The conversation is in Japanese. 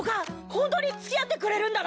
ホントに付き合ってくれるんだな！？